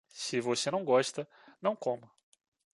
Se você não gosta, não coma.